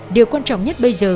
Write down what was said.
điều quan trọng nhất bây giờ